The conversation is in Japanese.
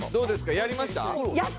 やりました？